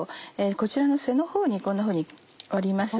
こちらの背のほうにこんなふうに折ります。